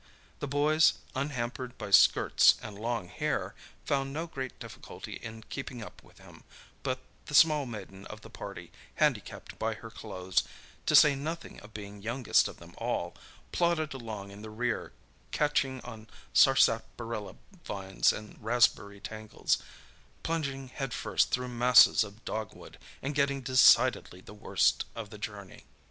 The boys unhampered by skirts and long hair, found no great difficulty in keeping up with him, but the small maiden of the party, handicapped by her clothes, to say nothing of being youngest of them all, plodded along in the rear, catching on sarsaparilla vines and raspberry tangles, plunging head first through masses of dogwood, and getting decidedly the worst of the journey.